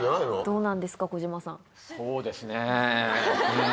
そうですねうん。